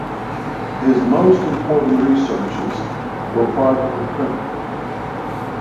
His most important researches were privately printed.